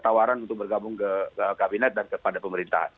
tawaran untuk bergabung ke kabinet dan kepada pemerintahan